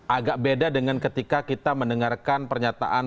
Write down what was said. agak beda dengan ketika kita mendengarkan pernyataan